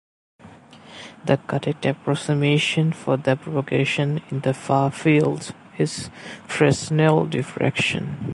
The correct approximation for the propagation in the far field is Fresnel diffraction.